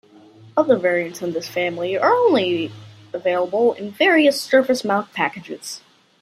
Other variants in this family are only available in various surface-mount packages.